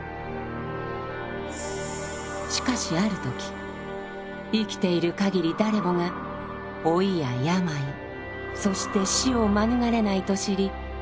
しかしある時生きているかぎり誰もが老いや病そして死を免れないと知り苦しみを覚えます。